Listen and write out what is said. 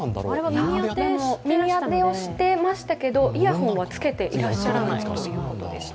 耳あてをしていましたけど、イヤホンはつけていらっしゃらないということでした。